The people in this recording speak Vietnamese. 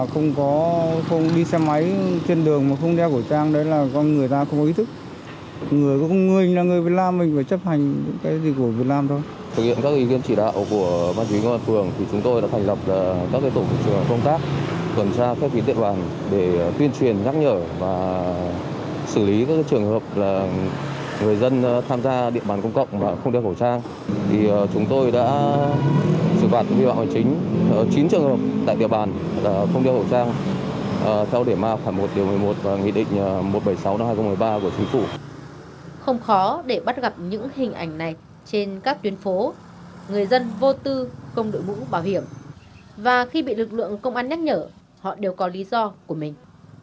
không khó để bắt gặp những hình ảnh này trên các tuyến phố người dân vô tư không đội mũ bảo hiểm và khi bị lực lượng công an nhắc nhở họ đều có lý do của mình